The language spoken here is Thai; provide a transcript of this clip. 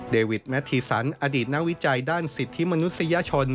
วิทแมททีสันอดีตนักวิจัยด้านสิทธิมนุษยชน